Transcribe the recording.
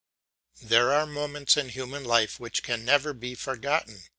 There are moments in human life which can never be forgotten.